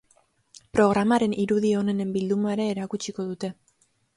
Programaren irudi onenen bilduma ere erakutsiko dute.